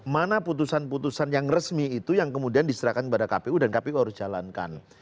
mana putusan putusan yang resmi itu yang kemudian diserahkan kepada kpu dan kpu harus jalankan